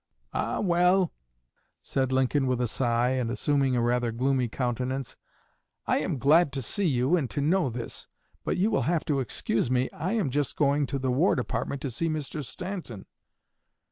"Ah, well," said Lincoln, with a sigh, and assuming a rather gloomy countenance, "I am glad to see you and to know this; but you will have to excuse me, I am just going to the War Department to see Mr. Stanton."